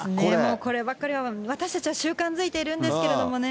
こればかりは、私たちは習慣づいているんですけどもね。